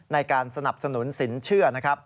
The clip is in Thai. ในการสนับสนุนศิลป์เชื่อ